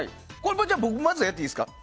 じゃあ、僕がまずやっていいですか。